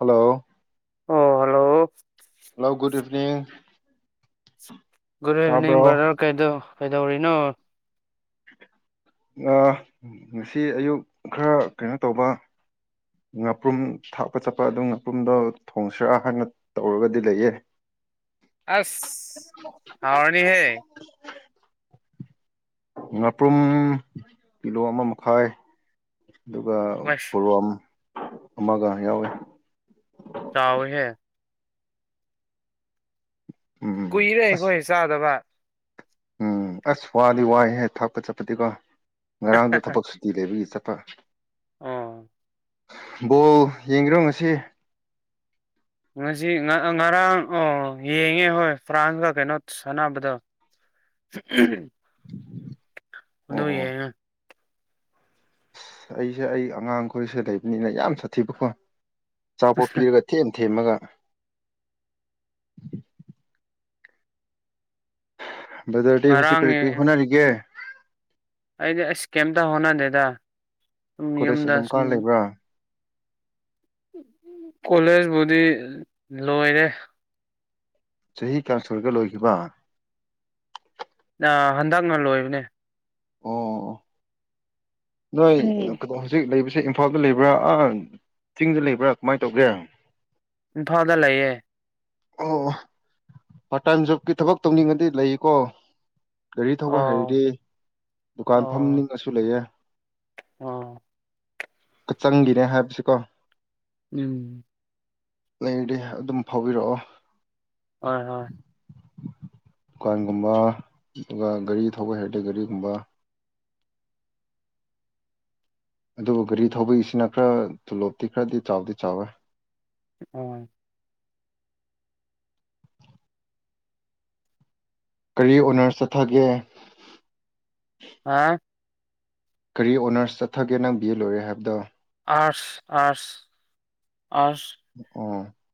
Hello ꯑꯣ hello hello good evening good evening brother ꯀꯩꯗꯧ ꯀꯩꯗꯧꯔꯤꯅꯣ ꯑ ꯉꯁꯤ ꯑꯌꯨꯛ ꯈꯔ ꯀꯩꯅꯣ ꯇꯧꯕ ꯉꯥꯄ꯭ꯔꯨꯝ ꯊꯥꯛꯄ ꯆꯠꯄ ꯑꯗꯨ ꯉꯥꯄ꯭ꯔꯨꯝꯗꯣ ꯊꯣꯡꯁꯤꯔ ꯍꯥꯏꯅ ꯇꯧꯔꯒꯗꯤ ꯂꯩꯌꯦ ꯑꯁ ꯍꯥꯎꯔꯅꯤ ꯍꯦ ꯉꯥꯄ꯭ꯔꯨꯝ ꯀꯤꯂꯣ ꯑꯃ ꯃꯈꯥꯏ ꯑꯗꯨꯒ ꯑꯁ ꯄꯣꯔꯣꯝ ꯑꯃꯒ ꯌꯥꯎꯋꯦ ꯆꯥꯎꯋꯦ ꯍꯦ ꯎꯝ ꯀꯨꯏꯔꯦ ꯑꯁ ꯑꯩꯈꯣꯏ ꯆꯥꯗꯕ ꯎꯝ ꯑꯁ ꯋꯥꯗꯤ ꯋꯥꯏꯍꯦ ꯊꯥꯛꯄ ꯆꯠꯄꯗꯤꯀꯣ ꯉꯔꯥꯡꯗꯣ ꯊꯕꯛ ꯁꯨꯇꯤ ꯂꯩꯕꯒꯤ ꯆꯠꯄ ꯄ ꯑ ꯕꯣꯜ ꯌꯦꯡꯒꯦꯔꯣ ꯉꯁꯤ ꯉꯁꯤ ꯉꯔꯥꯡ ꯑꯣ ꯌꯦꯡꯉꯦ ꯍꯣꯏ ꯐ꯭ꯔꯥꯟꯁꯀ ꯀꯩꯅꯣ ꯁꯥꯟꯅꯕꯗ ꯑꯣ ꯑꯗꯨꯗ ꯑꯣ ꯌꯦꯡꯉꯦ ꯑꯁ ꯑꯩꯁꯦ ꯑꯩ ꯑꯉꯥꯡꯈꯣꯏꯁꯦ ꯂꯩꯕꯅꯤꯅ ꯌꯥꯝ ꯁꯥꯊꯤꯕꯀꯣ ꯑꯆꯥꯄꯣꯠ ꯄꯤꯔꯒ ꯊꯦꯝ ꯊꯦꯝꯃꯒ ꯕꯔ꯭ꯗꯔꯗꯤ ꯍꯧꯖꯤꯛ ꯉꯔꯥꯡ ꯀꯔꯤ ꯀꯔꯤ ꯌꯦꯡꯉꯦ ꯍꯣꯠꯅꯔꯤꯒꯦ ꯑꯩꯗꯤ ꯑꯁ ꯀꯩꯝꯇ ꯍꯣꯠꯅꯗꯦꯗ ꯁꯨꯝ ꯀꯣꯂꯦꯖ ꯌꯨꯝꯗ ꯑꯗꯨꯝ ꯁꯨꯝ ꯀꯥꯔ ꯂꯩꯕ꯭ꯔꯥ ꯀꯣꯂꯦꯖꯕꯨꯗꯤ ꯂꯣꯏꯔꯦ ꯆꯍꯤ ꯀꯌꯥ ꯁꯨꯔꯒꯦ ꯂꯣꯏꯈꯤꯕ ꯍꯟꯗꯛꯅ ꯂꯣꯏꯕꯅꯦ ꯑꯣ ꯅꯣꯏ ꯎꯝ. ꯍꯧꯖꯤꯛ ꯂꯩꯕꯁꯦ ꯁꯤ ꯏꯝꯐꯥꯜꯗ ꯂꯩꯕ꯭ꯔꯥ ꯆꯤꯡꯗ ꯂꯩꯕ꯭ꯔꯥ ꯀꯃꯥꯏꯅ ꯇꯧꯒꯦ ꯏꯝꯐꯥꯗ ꯂꯩꯌꯦ ꯑꯣ ꯄꯥꯔꯠ ꯇꯥꯏꯝ ꯖꯣꯕꯀꯤ ꯊꯕꯛ ꯇꯧꯅꯤꯡꯉꯗꯤ ꯂꯩꯀꯣ ꯒꯥꯔꯤ ꯊꯧꯕ ꯑꯣ ꯍꯥꯏꯔꯗꯤ ꯗꯨꯀꯥꯟ ꯐꯝꯅꯤꯡꯉꯁꯨ ꯂꯩꯌꯦ ꯑ ꯆꯪꯒꯤꯅꯦ ꯍꯥꯏꯕꯁꯤ ꯀꯣ ꯎꯝ ꯂꯩꯗꯤ ꯑꯗꯨꯝ ꯐꯥꯎꯕꯤꯔꯛꯑꯣ ꯍꯣꯏ ꯍꯣꯏ ꯗꯨꯀꯥꯟꯒꯨꯝꯕ ꯑꯗꯨꯒ ꯒꯥꯔꯤ ꯊꯧꯕ ꯍꯥꯏꯔꯗꯤ ꯒꯥꯔꯤꯒꯨꯝꯕ ꯑꯗꯨꯕꯨ ꯒꯥꯔꯤ ꯊꯧꯕꯒꯤꯁꯤꯅ ꯈꯔ ꯇꯣꯂꯣꯞꯇꯤ ꯈꯔꯗꯤ ꯆꯥꯎꯗꯤ ꯆꯥꯎꯋꯦ ꯑꯣ ꯀꯔꯤ ꯑꯣꯅꯔꯁ ꯆꯠꯊꯒꯦ [unintelligible] ꯀꯔꯤ ꯑꯣꯅꯔꯁ ꯆꯠꯊꯒꯦ ꯅꯪ ꯕꯤ ꯑꯦ ꯂꯣꯏꯔꯦ ꯍꯥꯏꯕꯗꯣ ꯑꯥꯁ ꯑꯥꯁ ꯑꯣ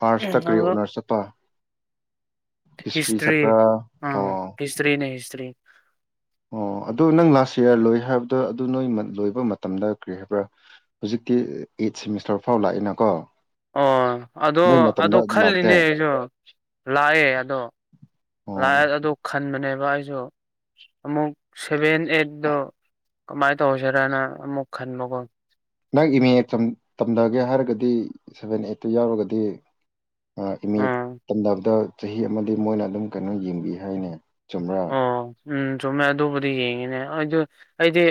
ꯑꯥꯔꯠꯁꯇ ꯀꯔꯤ ꯑꯣꯅꯔꯁ ꯆꯠꯄ ꯍꯤꯁꯇ꯭ꯔꯤ ꯑ ꯑꯣ ꯍꯤꯁꯇ꯭ꯔꯤꯅꯦ ꯍꯤꯁꯇ꯭ꯔꯤ ꯑꯣ ꯑꯗꯨ ꯅꯪ ꯂꯥꯁ ꯏꯌꯥꯔ ꯂꯣꯏ ꯍꯥꯏꯕꯗꯣ ꯑꯗꯨ ꯅꯣꯏ ꯂꯣꯏꯕ ꯃꯇꯝꯗ ꯀꯔꯤ ꯍꯥꯏꯕ꯭ꯔꯥ ꯍꯧꯖꯤꯛ ꯇꯤ ꯑꯩꯠ ꯁꯦꯃꯤꯁꯇꯔ ꯐꯥꯎ ꯂꯥꯛꯏꯦꯅꯀꯣ ꯑꯣ ꯑꯗꯣ ꯑꯗꯣ ꯂꯥꯛꯇꯦ ꯈꯜꯂꯤꯅꯦ ꯑꯩꯁꯨ ꯂꯥꯛꯑꯦ ꯑꯗꯣ ꯂꯥꯛꯑ ꯑꯣ ꯑꯗꯨ ꯈꯟꯕꯅꯦꯕ ꯑꯩꯁꯨ ꯑꯃꯨꯛ ꯁꯚꯦꯟ ꯑꯩꯠꯇꯠꯇꯣ ꯀꯃꯥꯏ ꯇꯧꯁꯦꯔꯅ ꯑꯃꯨꯛ ꯈꯟꯕꯒꯣ ꯅꯪ ꯏꯃꯦ ꯇꯝꯊꯒꯦ ꯍꯥꯏꯔꯒꯗꯤ ꯁꯚꯦꯟ ꯑꯦꯠꯇꯨ ꯌꯥꯎꯔꯒꯗꯤ ꯏꯃꯦ ꯎꯝ ꯇꯝꯗꯕꯗ ꯆꯍꯤ ꯑꯃꯗꯤ ꯃꯣꯏꯅ ꯑꯗꯨꯝ ꯀꯩꯅꯣ ꯌꯦꯡꯕꯤ ꯍꯥꯏꯅꯤ ꯆꯨꯝꯕꯔꯥ ꯑꯣ ꯎꯝ ꯆꯨꯝꯃꯦ ꯑꯗꯨꯕꯨꯗꯤ ꯌꯦꯡꯉꯤꯅꯦ ꯑꯗꯨ ꯑꯩꯗꯤ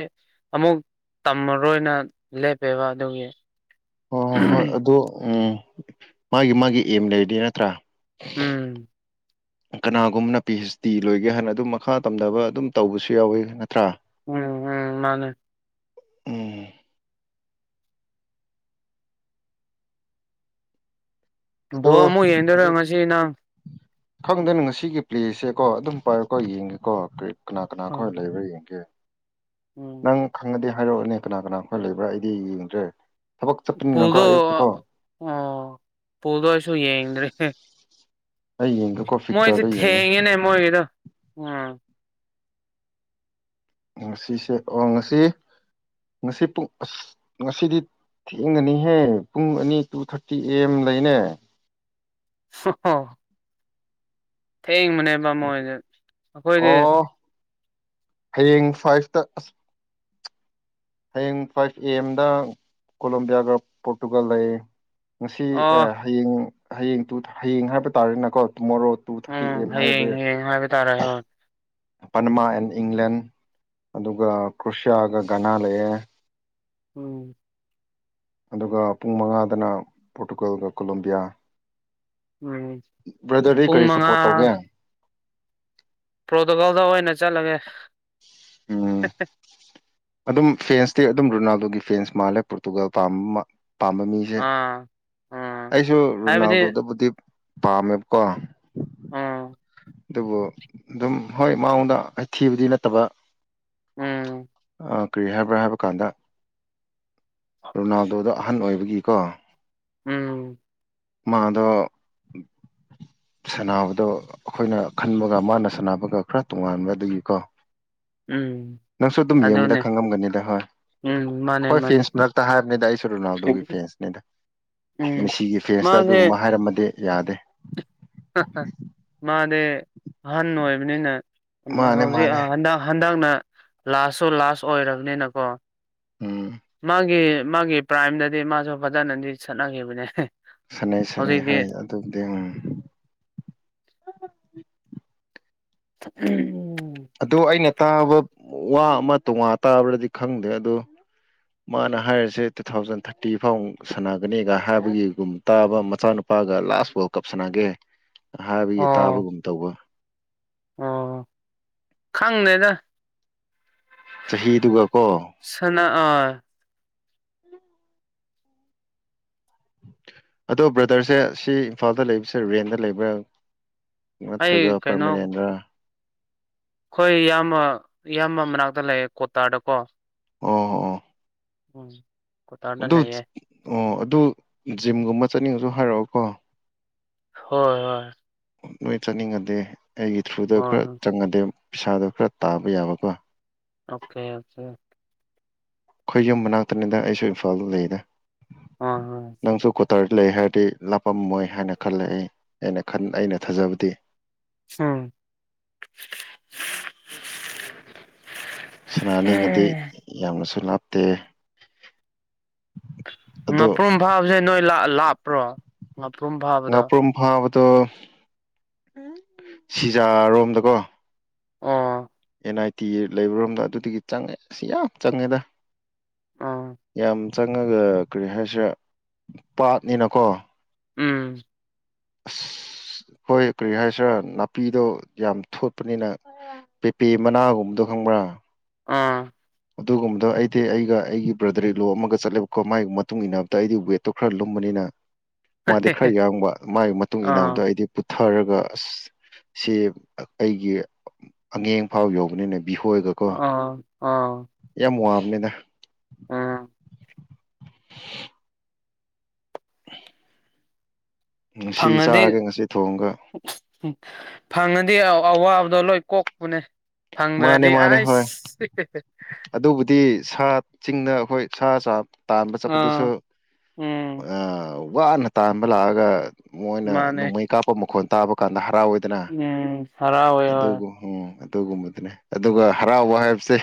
ꯑꯃꯨꯛ ꯇꯝꯃꯔꯣꯏꯅ ꯂꯦꯞꯄꯦꯕ ꯑꯗꯨꯒꯤ ꯑꯣꯏ ꯍꯣꯏ ꯑꯗ ꯎ ꯃꯥꯒꯤ ꯃꯥꯒꯤ ꯑꯦꯝ ꯂꯩꯗꯤ ꯅꯠꯇ꯭ꯔꯥ ꯎꯝ ꯀꯅꯥꯒꯨꯝꯅ ꯄꯤ ꯍꯩꯆ ꯗꯤ ꯂꯣꯏꯒꯦ ꯍꯥꯏꯥꯟꯅ ꯑꯗꯨꯝ ꯃꯈꯥ ꯇꯝꯊꯕ ꯑꯗꯨꯝ ꯇꯧꯕꯁꯨ ꯌꯥꯎꯋꯤ ꯅꯠꯇ꯭ꯔꯥ ꯎꯝ ꯎꯝ ꯃꯥꯅꯦ ꯎꯝ ꯕꯣ ꯑꯗꯣ ꯑꯃꯨꯛ ꯌꯦꯡꯗꯣꯏꯔ ꯉꯁꯤ ꯅꯪ ꯈꯪꯗꯦꯅꯦ ꯉꯁꯤꯒꯤ ꯄ꯭ꯂꯦꯖꯁꯦꯀꯣ ꯑꯗꯨꯝ ꯄꯥꯏꯔꯣꯀꯣ ꯌꯦꯡꯒꯦꯀꯣ ꯀꯔꯤ ꯀꯅꯥ ꯀꯅꯥ ꯈꯔ ꯂꯩꯕ꯭ꯔꯥ ꯌꯦꯡꯒꯦ ꯎꯝ ꯅꯪ ꯈꯪꯉꯗꯤ ꯍꯥꯏꯔꯛꯑꯣꯅꯦ ꯀꯅꯥ ꯀꯅꯥ ꯈꯈꯣꯏ ꯂꯩꯕ꯭ꯔꯥ ꯑꯩꯗꯤ ꯌꯦꯡꯗ꯭ꯔꯦ ꯊꯕꯛ ꯆꯠꯄꯅꯤꯅꯀꯣ ꯄꯨꯜꯗꯣ ꯑꯌꯨꯛꯇꯀꯣ ꯑꯣ ꯄꯨꯜꯗꯣ ꯑꯩꯁꯨ ꯌꯦꯡꯗ꯭ꯔꯦ ꯑꯩ ꯌꯦꯡꯒꯦꯀꯣ ꯃꯣꯏꯁꯦ ꯐꯤꯛꯆꯔꯗꯣ ꯌꯦꯡꯉꯦ ꯊꯦꯡꯉꯤꯅꯦ ꯃꯣꯏꯒꯤꯗꯣ ꯎꯥ ꯉꯁꯤꯁꯦ ꯑꯣ ꯉꯁꯤ ꯉꯁꯤ ꯄꯨꯡ ꯉꯁꯤꯗꯤ ꯊꯦꯡꯒꯅꯤꯍꯦ ꯄꯨꯡ ꯑꯅꯤ ꯇꯨ ꯊꯥꯔꯇꯤ ꯑꯦ ꯑꯦꯝ ꯂꯩꯅꯦ [unintelligible] ꯊꯦꯡꯕꯅꯦꯕ ꯃꯣꯏꯁꯦ ꯑꯩꯈꯣꯏꯗꯤ ꯑꯣ ꯍꯌꯦꯡ ꯐꯥꯏꯚꯇ ꯑꯁ ꯍꯌꯦꯡ ꯐꯥꯏꯚ ꯑꯦ ꯑꯦꯝꯗ ꯀꯣꯂꯣꯕꯤꯌꯥꯒ ꯄꯣꯔꯇꯨꯒꯜ ꯂꯩ ꯉꯁꯤ ꯑꯣ ꯍꯌꯦꯡ ꯍꯌꯦꯡ ꯇꯨ ꯍꯌꯦꯡ ꯍꯥꯏꯕ ꯇꯥꯔꯦꯅꯀꯣ ꯇꯨꯃꯣꯔꯣ ꯇꯨ ꯊꯔꯇꯤ ꯎꯝ ꯑꯦꯝ ꯑꯔ ꯗꯦ ꯍꯌꯦꯡ ꯍꯌꯦꯡ ꯍꯥꯏꯕ ꯇꯥꯔꯦ ꯍꯣꯏ ꯄꯟꯃꯥ ꯑꯦꯟ ꯏꯪꯂꯦꯟ ꯑꯗꯨꯒ ꯀ꯭ꯔꯨꯁꯤꯌꯥꯒ ꯘꯅꯥ ꯂꯩꯌꯦ ꯎꯝ ꯑꯗꯨꯒ ꯄꯨꯡ ꯃꯉꯥꯗꯅ ꯄꯣꯔꯇꯨꯒꯜꯒ ꯀꯣꯂꯣꯕꯤꯌꯥ ꯎꯝ ꯕ꯭ꯔꯗꯔꯗꯗꯤ ꯄꯨꯡ ꯀꯔꯤ ꯁꯞꯄꯣꯔꯠ ꯇꯧꯒꯦ ꯄ꯭ꯔꯣꯇꯣꯀꯜꯗ ꯑꯣꯏꯅ ꯆꯠꯂꯒꯦ ꯎꯝ ꯑꯗꯨꯝ ꯐꯦꯟꯁꯇꯤ ꯑꯗꯨꯝ ꯔꯣꯅꯥꯜꯗꯣꯒꯤ ꯐꯦꯟꯁ ꯃꯥꯜꯂꯦ ꯄꯣꯔꯇꯨꯒꯥꯜ ꯄꯥꯝꯕ ꯑꯃ ꯄꯥꯝꯕ ꯃꯤꯁꯦ ꯑꯥ ꯎꯝ ꯑꯩꯁꯨ ꯍꯥꯏꯕꯗꯤ ꯔꯣꯅꯥꯜꯗꯣꯗꯕꯨꯗꯤꯞ ꯄꯥꯝꯃꯦꯕꯀꯣ ꯎꯝ ꯑꯗꯨꯕꯨ ꯑꯗꯨꯝ ꯍꯣꯏ ꯃꯑꯣꯡꯗ ꯍꯊꯤꯕꯗꯤ ꯅꯠꯇꯕ ꯎꯝ ꯀꯔꯤ ꯍꯥꯏꯕ꯭ꯔꯥ ꯍꯥꯏꯕ ꯀꯥꯟꯗ ꯔꯣꯅꯥꯜꯗꯣꯗ ꯑꯍꯟ ꯑꯣꯏꯕꯒꯤꯀꯣ ꯎꯝ ꯃꯥꯗ ꯁꯅꯥꯕꯗꯣ ꯑꯩꯈꯣꯏꯅ ꯈꯟꯕꯒ ꯃꯥꯅ ꯁꯥꯟꯅꯕꯒ ꯈꯔ ꯇꯣꯉꯥꯟꯕ ꯑꯗꯨꯒꯤꯀꯣ ꯎꯝ ꯅꯪꯁꯨ ꯑꯗꯨꯝ ꯌꯦꯡꯕꯗ ꯑꯗꯨꯅꯦ ꯈꯪꯉꯝꯒꯅꯤꯗ ꯍꯣꯏ ꯎꯝ ꯃꯥꯅꯦ ꯑꯩꯈꯣꯏ ꯃꯥꯅꯦ ꯐꯦꯟꯁ ꯃꯔꯛꯇ ꯍꯥꯏꯕꯅꯤꯗ ꯑꯩ ꯁꯨꯔꯨꯅꯥꯎꯗꯨꯒꯤ ꯐꯦꯟꯁꯅꯤꯗ ꯎꯝ ꯃꯤꯁꯤꯒꯤ ꯐꯦꯁꯇ ꯃꯥꯁꯦ ꯑꯗꯨꯒꯨꯝꯕ ꯍꯥꯏꯔꯝꯃꯗꯤ ꯌꯥꯗꯦ ꯃꯥꯗꯤ ꯑꯍꯟ ꯑꯣꯏꯕꯅꯤꯅ ꯃꯥꯅꯦ ꯍꯧꯖꯤꯛ ꯃꯥꯅꯦ ꯍꯟꯗꯛ ꯍꯟꯗꯛꯅ ꯂꯥꯁꯁꯨ ꯂꯥꯁ ꯑꯣꯏꯔꯕꯅꯤꯅꯀꯣ ꯎꯝ ꯃꯥꯒꯤ ꯃꯥꯒꯤ ꯄ꯭ꯔꯥꯏꯝꯗꯗꯤ ꯃꯥꯁꯨ ꯐꯖꯅꯗꯤ ꯁꯠꯅꯈꯤꯕꯅꯦ ꯁꯥꯟꯅꯩ ꯁꯥꯟꯅꯩ ꯍꯧꯖꯤꯛꯇꯤ ꯍꯣꯏ ꯑꯗꯨꯕꯨꯗꯤ ꯎꯝ ꯎꯝ ꯎꯝ ꯑꯗꯣ ꯑꯩꯅ ꯇꯥꯕ ꯋꯥ ꯑꯃ ꯇꯣꯉꯥ ꯇꯥꯕ꯭ꯔꯗꯤ ꯈꯪꯗꯦ ꯑꯗ ꯃꯥꯅ ꯍꯥꯏꯔꯤꯁꯦ ꯇꯨ ꯊꯥꯎꯖꯟ ꯊꯥꯔꯇꯤ ꯐꯥꯎ ꯁꯥꯟꯅꯒꯅꯤꯒ ꯍꯥꯏꯕꯒꯤꯒꯨꯝ ꯇꯥꯕ ꯃꯆꯥꯅꯨꯄꯥ ꯒ ꯂꯥꯁ ꯋꯥꯔꯜ ꯀꯞ ꯁꯥꯟꯅꯒꯦ ꯍꯥꯏꯕꯒꯤ ꯑꯣ ꯇꯥꯕꯒꯨꯝ ꯇꯧꯕ ꯑꯣ ꯈꯪꯅꯦꯗ ꯁꯍꯤꯗ ꯎꯒ ꯁꯅ ꯑꯗꯣ ꯕ꯭ꯔꯗꯔꯁꯦ ꯁꯤ ꯏꯝꯐꯥꯜꯗ ꯂꯩꯕꯁꯦ ꯔꯦꯟꯗ ꯂꯩꯕ꯭ꯔꯥ ꯑꯩ ꯅꯠꯇ꯭ꯔꯒ ꯀꯩꯅꯣ ꯄ꯭ꯔꯃꯤꯂꯦꯟꯗ꯭ꯔ ꯑꯩꯈꯣꯏ ꯏꯌꯥꯝꯕ ꯏꯌꯥꯝꯕ ꯃꯅꯥꯛꯇ ꯂꯩꯌꯦ ꯀꯣꯇꯥꯔꯗꯀꯣ ꯑꯣ ꯑꯣ ꯎꯝ ꯀꯣꯇꯥꯔꯗ ꯑꯗꯨ ꯂꯩꯌꯦ ꯑꯣ ꯑꯗꯨ ꯖꯤꯝꯒꯨꯝꯕ ꯆꯠꯅꯤꯡꯉꯁꯨ ꯍꯥꯏꯔꯛꯑꯣꯀꯣ ꯍꯣꯏ ꯍꯣꯏ ꯅꯣꯏ ꯆꯠꯅꯤꯡꯉꯗꯦ ꯑꯩꯒꯤ ꯊ꯭ꯔꯨꯗ ꯍꯣꯏ ꯈꯔ ꯍꯣꯏ ꯆꯪꯉꯗꯦ ꯄꯩꯁꯥꯗꯣ ꯈꯔ ꯇꯥꯕ ꯌꯥꯕꯀꯣ ꯑꯣꯀꯦ ꯑꯣꯀꯦ ꯑꯩꯈꯣꯏ ꯌꯨꯝ ꯃꯅꯥꯛꯇꯅꯤꯗ ꯑꯩꯁꯨ ꯏꯝꯐꯥꯜꯗ ꯂꯩꯗ ꯑ ꯗꯇꯔ ꯂꯩ ꯍꯥꯏꯔꯗꯤ ꯂꯥꯞꯄꯝꯃꯣꯏ ꯍꯥꯏꯅ ꯈꯜꯂꯦ ꯑꯩ ꯑꯩꯅ ꯈ ꯑꯩꯅ ꯊꯥꯖꯕꯗꯤ ꯎꯝ ꯁꯅꯥ ꯑꯅꯤ ꯑꯗꯤ ꯌꯥꯝꯅꯁꯨ ꯂꯥꯞꯇꯦ ꯑꯗꯨ ꯉꯥꯄ꯭ꯔꯨꯝ ꯐꯥꯕꯁꯦ ꯅꯣꯏ ꯂꯥꯞꯄ꯭ꯔꯣ ꯉꯥꯄ꯭ꯔꯨꯝ ꯐꯥꯕꯗꯣ ꯑꯗꯣ ꯁꯤꯖꯥꯔꯣꯝꯗꯀꯣ ꯎ ꯑꯦꯟ ꯑꯥꯏ ꯇꯤ ꯂꯩꯕꯔꯣꯝꯗ ꯑꯗꯨꯗꯒꯤ ꯆꯪꯉꯦ ꯁꯤ ꯌꯥꯝ ꯆꯪꯉꯦꯗ ꯑꯣ ꯌꯥꯝ ꯆꯪꯉꯒ ꯀꯔꯤ ꯍꯥꯏꯁꯤꯦ ꯄꯥꯠꯅꯤꯅꯀꯣ ꯎꯝ ꯍꯣꯏ ꯀꯔꯤ ꯍꯥꯏꯁꯤꯔꯥ ꯅꯥꯄꯤꯗꯣ ꯌꯥꯝ ꯊꯣꯠꯄꯅꯤꯅ ꯄꯦꯄꯤꯦ ꯃꯅꯥꯒꯨꯝꯕꯗꯣ ꯈꯪꯕ꯭ꯔꯥ ꯎꯝ ꯑꯗꯨꯒꯨꯝꯕ ꯑꯩꯗꯤ ꯑꯩꯒ ꯑꯩꯒꯤ ꯕ꯭ꯔꯗꯔꯤ ꯂꯣ ꯑꯃꯒ ꯆꯠꯂꯦꯕꯀꯣ ꯃꯥꯒꯤ ꯃꯇꯨꯡ ꯏꯟꯅꯕꯗ ꯑꯩꯗꯤ ꯋꯦꯠꯇꯣ ꯈꯔ ꯂꯨꯝ ꯅꯤꯅ ꯃꯥꯗꯤ ꯈꯔ ꯌꯥꯡꯕ ꯃꯥꯒꯤ ꯃꯇꯨꯡ ꯏꯟꯅꯕꯗ ꯑꯥ ꯑꯩꯗꯤ ꯄꯨꯊꯔꯒ ꯑꯗꯨꯒ ꯑꯁ ꯁꯤ ꯑꯩꯒꯤ ꯑꯉꯦꯡ ꯐꯥꯎ ꯌꯧꯕꯅꯤꯅꯦ ꯕꯤꯍꯣꯏꯒꯀꯣ ꯑꯥ ꯑꯥ ꯅꯦꯗ ꯎꯝ ꯉꯁꯤ ꯐꯪꯉꯗꯤ ꯆꯥꯔꯒ ꯉꯁꯤ ꯊꯣꯡꯒ ꯎꯝ ꯐꯪꯉꯗꯤ ꯑꯋꯥꯕꯗꯣ ꯂꯣꯏ ꯀꯣꯛꯄꯅꯦ ꯃꯥꯅꯦ ꯐꯪꯗ꯭ꯔꯗꯤ ꯃꯥꯅꯦ ꯍꯣꯏ ꯑꯩꯁ ꯑꯗꯨꯕꯨꯗꯤ ꯁꯥ ꯆꯤꯡꯅ ꯑꯩꯈꯣꯏ ꯁꯥ ꯆꯥ ꯇꯥꯟꯕ ꯆꯠꯄꯗꯨꯁꯨ ꯑꯥ ꯎꯝ ꯋꯥꯅ ꯇꯥꯟꯕ ꯂꯥꯛꯑꯒ ꯃꯣꯏꯅ ꯃꯥꯅꯦ ꯅꯣꯡꯃꯩ ꯀꯥꯞꯄ ꯃꯈꯣꯟ ꯇꯥꯕ ꯀꯥꯟꯗ ꯍ ꯔꯥ ꯑꯣꯏꯗꯅ ꯎꯝ ꯍꯔꯥꯎꯋꯦ ꯍꯣꯏ ꯑꯗꯨꯒ ꯎ ꯑꯗꯨꯒꯨꯝꯕꯗꯨꯅꯦ ꯑꯗꯨꯒ ꯍꯔꯥꯎꯕ ꯍꯥꯏꯕꯁꯦ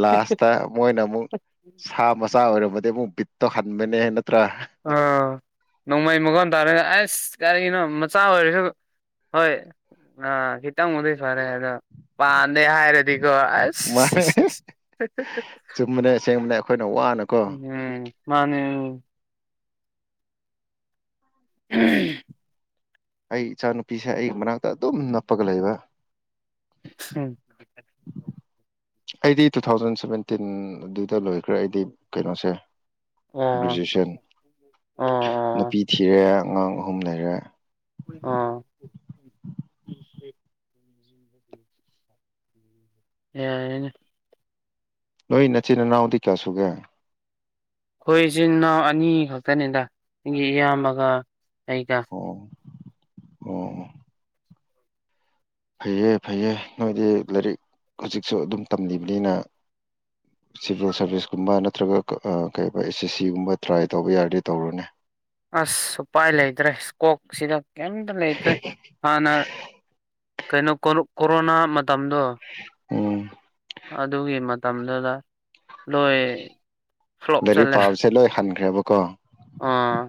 ꯂꯥꯁꯇ ꯃꯣꯏꯅ ꯑꯃꯨꯛ ꯁꯥ ꯃꯆꯥ ꯑꯣꯏꯔꯝꯃꯗꯤ ꯑꯃꯨꯛ ꯕꯤꯠꯇ ꯇꯧ ꯍꯟꯕꯅꯦ ꯅꯠꯇ꯭ꯔꯥ ꯑꯥ ꯅꯣꯡꯃꯩ ꯃꯒꯣꯟꯜ ꯇꯥꯔ ꯑꯁ ꯀꯔꯤꯒꯤꯅꯣ ꯃꯆꯥ ꯑꯣꯏꯔꯁꯨ ꯍꯣꯏ ꯑ ꯒꯤꯤꯇꯥ ꯃꯗ ꯐꯔꯦ ꯍꯥꯏ ꯑꯗ ꯄꯥꯟꯝꯗꯦ ꯍꯥꯏꯔꯗꯤꯀꯣ ꯑꯁ ꯃꯥꯅꯦ ꯆꯨꯝꯕꯅꯦ ꯑꯁꯦꯡꯕꯅꯦ ꯑꯩꯈꯣꯏꯅ ꯋꯥꯅꯀꯣ ꯎꯝ ꯃꯥꯅꯦ ꯎꯝ ꯑꯩ ꯏꯆꯥꯅꯨꯄꯤꯁꯦ ꯑꯩꯒꯤ ꯃꯅꯥꯛꯇ ꯑꯗꯨꯝ ꯅꯞꯄꯒ ꯂꯩꯕ ꯎꯝ ꯑꯩꯗꯤ ꯇꯨ ꯊꯥꯎꯖꯟ ꯁꯚꯦꯟꯇꯤꯟ ꯑꯗꯨꯗ ꯂꯣꯏꯈ꯭ꯔꯦ ꯑꯩꯗꯤ ꯀꯩꯅꯣꯁꯦ ꯑꯣ ꯒ꯭ꯔꯦꯖꯨꯑꯦꯁꯟ ꯑꯣ ꯅꯨꯄꯤ ꯊꯤꯔꯦ ꯑꯉꯥꯡ ꯑꯍꯨꯝ ꯂꯩꯔꯦ ꯑꯥ [inaudible] ꯌꯥꯩꯅ ꯅ ꯅꯆꯤꯅꯅꯥꯎꯗꯤ ꯀꯌꯥꯁꯨꯨꯒꯌꯥ ꯑꯩꯈꯣꯏ ꯏꯆꯤꯟ ꯏꯅꯥꯎ ꯑꯅꯤ ꯈꯛꯇꯅꯤꯗ ꯅꯒꯤ ꯏꯌꯥꯝꯕꯒ ꯑꯩꯒ ꯑꯣꯝ ꯐꯩꯌꯦ ꯐꯩꯌꯦ ꯅꯣꯏꯗꯤ ꯂꯥꯏꯔꯤꯛ ꯍꯧꯖꯤꯛꯁꯨ ꯑꯗꯨꯝ ꯇꯝꯂꯤꯕꯅꯤꯅ ꯁꯤꯚꯤꯜ ꯁꯥꯔꯚꯤꯁꯀꯨꯝꯕ ꯅꯠꯇ꯭ꯔꯒ ꯀꯩ ꯑꯦꯁ ꯑꯦꯁ ꯁꯤꯒꯨꯝꯕ ꯇ꯭ꯔꯥꯏ ꯇꯧꯕ ꯌꯥꯔꯗꯤꯦ ꯇꯧꯔꯨꯅꯦ ꯑꯁ ꯎꯄꯥꯏ ꯂꯩꯇ꯭ꯔꯦ ꯀꯣꯛꯁꯤꯗ ꯀꯇ꯭ꯔꯦ ꯍꯅ ꯀꯩꯅꯣ ꯀꯣꯔꯣꯅꯥ ꯃ ꯇꯗꯣ ꯎꯝ ꯑꯗꯨꯒꯤ ꯃꯇꯝꯗꯨꯗ ꯂꯣꯏ ꯐ꯭ꯂꯣꯞ ꯒꯥꯔꯤ ꯆꯠꯂꯦ ꯄꯥꯕꯁꯦ ꯂꯣꯏ ꯍꯟꯈ꯭ꯔꯦꯕꯀꯣ ꯑꯥ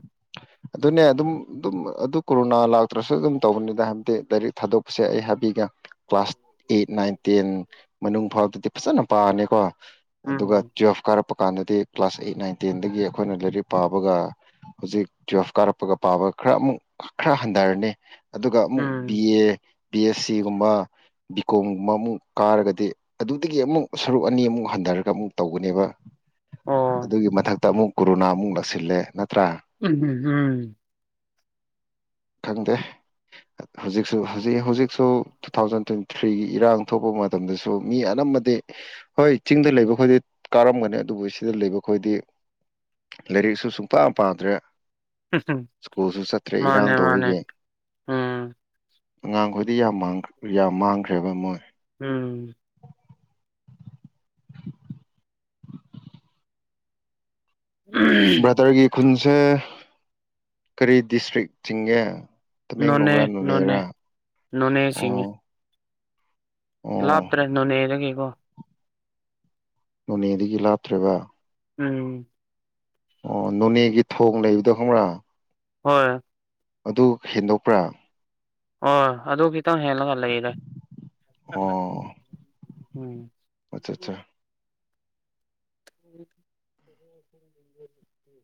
ꯑꯗꯨꯅꯦ ꯑꯗꯨꯝ ꯑꯗꯨꯝ ꯑꯗꯨ ꯀꯣꯔꯣꯅꯥ ꯂꯥꯛꯇ꯭ꯔꯁꯨ ꯑꯗꯨꯝ ꯇꯧꯕꯅꯤꯗ ꯍꯥꯏꯕꯗꯤ ꯂꯥꯏꯔꯤꯛ ꯊꯥꯗꯣꯛꯄꯁꯦ ꯑꯩ ꯍꯥꯏꯕꯤꯒ ꯀ꯭ꯂꯥꯁ ꯑꯩꯠ ꯅꯥꯏꯟ ꯇꯦꯟ ꯃꯅꯨꯡ ꯐꯥꯎꯗꯗꯤ ꯐꯖꯅ ꯄꯥꯔꯅꯤꯀꯣ ꯑꯗꯨꯒ ꯎꯝ ꯇꯨꯋꯜꯐ ꯀꯥꯔꯛꯄ ꯀꯥꯟꯗꯗꯤ ꯀ꯭ꯂꯥꯁ ꯑꯩꯠ ꯅꯥꯏꯟ ꯇꯦꯟꯗꯒꯤ ꯑꯩꯈꯣꯏꯅ ꯂꯥꯏꯔꯤꯛ ꯄꯥꯕꯒ ꯍꯧꯖꯤꯛ ꯇꯨꯋꯦꯜꯐ ꯀꯥꯔꯛꯄꯒ ꯄꯥꯕ ꯈꯔ ꯑꯃꯨꯛ ꯈꯔ ꯍꯟꯊꯔꯅꯤ ꯑꯗꯨꯒ ꯑꯃꯨꯛ B um A B S ꯁꯤꯒꯨꯝꯕ ꯕꯤ ꯀꯣꯝꯒꯨꯝꯕ ꯑꯃꯨꯛ ꯀꯥꯔꯒꯗꯤ ꯑꯗꯨꯗꯒꯤ ꯑꯃꯨꯛ ꯁꯔꯨꯛ ꯑꯅꯤ ꯑꯃꯨꯛ ꯍꯟ ꯟꯔꯒ ꯑꯃꯨꯛ ꯇꯧꯒꯅꯦꯕ ꯑꯣ ꯑꯗꯨꯒꯤ ꯃꯊꯛꯇ ꯑꯃꯨꯛ ꯀꯣꯔꯣꯅꯥ ꯑꯃꯨꯛ ꯂꯥꯛꯁꯤꯜꯂꯦ ꯅꯠꯇ꯭ꯔꯥ ꯎꯝ ꯎꯝ ꯈꯪꯗꯦ ꯍꯧꯖꯤꯛꯁꯨ ꯍꯧꯖꯤꯛ ꯍꯧꯖꯤꯛꯁꯨ ꯇꯨ ꯊꯥꯎꯖꯟ ꯇ꯭ꯋꯦꯟꯇꯤ ꯊ꯭ꯔꯤꯒꯤ ꯏꯔꯥꯡ ꯊꯣꯛꯄ ꯃꯇꯝꯗꯁꯨ ꯃꯤ ꯑꯅꯝꯕꯗꯤ ꯍꯣꯏ ꯆꯤꯡꯗ ꯂꯩꯕ ꯈꯨꯗꯤ ꯀꯥꯔꯝꯒꯅꯤ ꯑꯗꯨꯕꯨ ꯁꯤꯗ ꯂꯩꯕꯈꯣꯏꯗꯤ ꯂꯥꯏꯔꯤꯛꯁꯨ ꯁꯨꯡꯄ ꯄꯥꯗ꯭ꯔꯦ ꯁ꯭ꯀꯨꯜꯁꯨ ꯆꯠꯇ꯭ꯔꯦ ꯏꯔꯥꯡ ꯃꯥꯅꯦ ꯃꯥꯅꯦ ꯇꯧꯕꯒꯦ ꯎꯝ ꯑꯉꯥꯡꯈꯗꯤ ꯌꯥꯝ ꯌꯥꯝ ꯃꯥꯡꯈ꯭ꯔꯦꯕ ꯃꯣꯏ ꯎꯝ ꯕ꯭ꯔꯗꯔꯒꯤ ꯈꯨꯟꯁꯦ ꯀꯔꯤ ꯗꯤꯁꯇ꯭ꯔꯤꯛ ꯆꯤꯡꯒꯦ ꯅꯣꯅꯦ ꯇꯃꯦꯡꯂꯣꯡ ꯔ ꯅꯣꯅꯦ ꯅꯣꯅꯦꯔꯥ ꯅꯣꯅꯦ ꯑꯣ ꯑꯣ ꯂꯥꯞꯇ꯭ꯔꯅꯅꯦꯔꯒꯦꯀꯣ ꯅꯣꯅꯦꯗꯒꯤ ꯂꯥꯞꯇ꯭ꯔꯦꯕ ꯎꯝ ꯑꯣ ꯅꯣꯅꯦꯒꯤ ꯊꯣꯡ ꯂꯩꯕꯗꯣ ꯈꯪꯕ꯭ꯔꯥ ꯍꯣꯏ ꯑꯗꯨ ꯍꯦꯟꯗꯣꯛꯄ꯭ꯔꯥ ꯍꯣꯏ ꯑꯗꯨꯒꯤ ꯇ ꯍꯦꯂ ꯀꯂ ꯆꯗꯝ ꯑꯣ ꯑꯠꯆꯥ ꯑꯠꯆꯥ ꯍ [inaudible]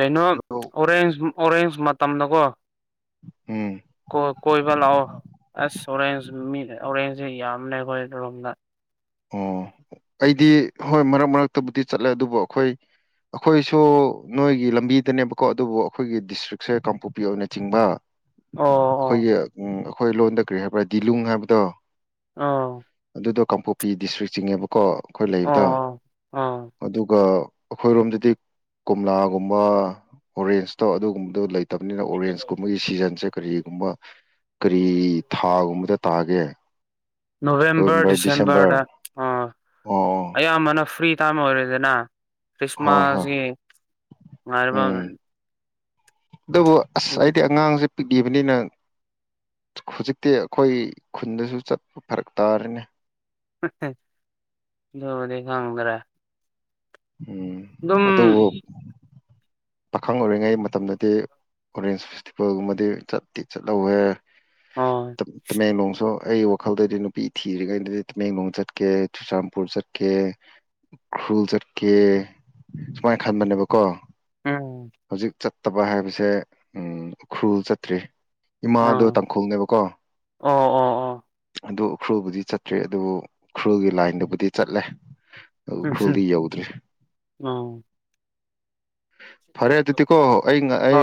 ꯀꯩꯅꯣ ꯑꯣꯔꯦꯟꯖ ꯑꯣꯔꯦꯟꯖ ꯃꯇꯝꯗꯀꯣ ꯎꯝ ꯀꯣ ꯀꯣꯏꯕ ꯂꯥꯛꯑꯣ ꯑꯁ ꯑꯣꯔꯦꯟꯖ ꯃꯤ ꯑꯣꯔꯦꯟꯖꯁꯦ ꯌꯥꯝꯂ ꯑꯩꯈꯣꯏ ꯔꯣꯝꯗ ꯑꯣ ꯑꯩꯗꯤ ꯍꯣꯏ ꯃꯔꯛ ꯃꯔꯛꯇꯕꯨꯗꯤ ꯆꯠꯂꯦ ꯑꯗꯨꯕꯨ ꯑꯩꯈꯣꯏ ꯑꯩꯈꯣꯏꯁꯨ ꯅꯣꯏꯒꯤ ꯂꯝꯕꯤꯗꯅꯦꯕꯀꯣ ꯑꯗꯨꯕꯨ ꯑꯩꯈꯣꯏꯒꯤ ꯗꯤꯁꯇ꯭ꯔꯤꯛꯁꯦ ꯀꯥꯡꯄꯣꯛꯄꯤ ꯑꯣꯏꯅ ꯆꯤꯡꯕ ꯑꯣ ꯑꯣ ꯑꯩꯈꯣꯏꯒꯤ ꯑꯩꯈꯣꯏ ꯂꯣꯟꯗ ꯀꯔꯤ ꯍꯥꯏꯕ꯭ꯔꯥ ꯗꯤꯂꯨꯡ ꯍꯥꯏꯕꯗꯣ ꯑꯥꯎ ꯑꯗꯨꯗꯣ ꯀꯥꯡꯄꯣꯛꯄꯤ ꯗꯤꯁꯇ꯭ꯔꯤꯛ ꯆꯤꯡꯉꯦꯕꯀꯣ ꯑꯩꯈꯣꯏ ꯑꯣ ꯂꯩꯕꯗ ꯑꯣ ꯑꯣ ꯑꯗꯨꯒ ꯑꯩꯈꯣꯏꯔꯣꯝꯗꯗꯤ ꯀꯣꯝꯂꯥꯒꯨꯝꯕ ꯑꯣꯔꯦꯟꯁꯇꯣ ꯑꯗꯨꯒꯨꯝꯕꯗꯣ ꯂꯩꯇ ꯇꯕꯅꯤꯅ ꯑꯣꯔꯦꯟꯖꯀꯨꯝꯕꯒꯤ ꯁꯤꯖꯟꯁꯦ ꯀꯔꯤꯒꯨꯝꯕ ꯀꯔꯤ ꯊꯥꯒꯨꯝꯕꯗ ꯇꯥꯒꯦ ꯅꯣꯕꯦꯝꯕꯔ ꯗꯤꯁꯦꯝꯕꯔꯗ ꯑꯣ ꯑꯣ ꯑꯌꯥꯝꯕꯅ ꯐ꯭ꯔꯤ ꯇꯥꯏꯝ ꯑꯣꯏꯔꯦꯗꯅ ꯑꯣ ꯍꯣꯏ ꯍꯣꯏ ꯈ꯭ꯔꯤꯁꯃꯥꯁꯒꯤ ꯑꯥ ꯎꯝ ꯑꯗꯨꯕꯨ ꯑꯁ ꯑꯩꯗꯤ ꯑꯉꯥꯡꯁꯦ ꯄꯤꯛꯂꯤꯕꯅꯤꯅ ꯍꯧꯖꯤꯛꯇꯤ ꯑꯩꯈꯣꯏ ꯈꯨꯟꯗꯁꯨ ꯆꯠꯄ ꯐꯔꯛ ꯇꯥꯔꯅꯤ [unintelligible] ꯑꯗꯨꯒꯗꯤ ꯉꯝꯒ꯭ꯔꯦ ꯎꯝ ꯑꯗꯨꯝ ꯑꯗꯨꯕꯨ ꯄꯥꯈꯪ ꯑꯣꯏꯔꯤꯉꯩ ꯃꯇꯝꯗꯗꯤ ꯑꯣꯔꯦꯟꯁ ꯐꯦꯁꯇꯤꯚꯦꯜꯒꯨꯝꯕꯗꯤ ꯆꯠꯇꯤ ꯑꯣ ꯆꯠꯍꯧꯋꯦꯍ‌ꯦ ꯂꯣꯡ ꯁꯣ ꯑꯩ ꯋꯥꯈꯜꯗꯗꯤ ꯅꯨꯄꯤ ꯊꯤꯔꯤꯉꯩꯗꯗꯤ ꯇꯃꯦꯡꯂꯣꯡ ꯆꯠꯀꯦ ꯆꯨꯔꯆꯥꯟꯄꯨꯔ ꯆꯠꯀꯦ ꯎꯈ꯭ꯔꯨꯜ ꯆꯠꯀꯦ ꯁꯨꯃꯥꯏꯅ ꯈꯟꯕꯅꯦꯕꯀꯣ ꯎꯝ ꯍꯧꯖꯤꯛ ꯆꯠꯇꯕ ꯍꯥꯏꯕꯁꯦ ꯎꯈ꯭ꯔꯨꯜ ꯆꯠꯇ꯭ꯔꯤ ꯏꯃꯥꯗꯣ ꯑꯥ ꯇꯥꯡꯈꯨꯜꯅꯦꯕꯀꯣ ꯑꯣ ꯑꯣ ꯑꯣ ꯑꯗꯨ ꯎꯈꯨ꯭ꯔꯨꯜꯕꯨꯗꯤ ꯆꯠꯇ꯭ꯔꯤ ꯑꯗꯨꯕꯨ ꯎꯈꯨ꯭ꯔꯨꯜꯒꯤ ꯂꯥꯏꯟꯗꯕꯨꯗꯤ ꯆꯠꯂꯦ ꯑꯗꯨ ꯎꯝ ꯈ꯭ꯔꯜꯗꯤ ꯌꯥꯧꯗ꯭ꯔꯦ ꯎꯝ ꯑꯣ ꯐꯔꯦ ꯑꯗꯨꯗꯤꯀꯣ ꯑꯩ ꯑꯩ